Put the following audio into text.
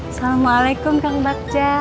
assalamualaikum kang bagja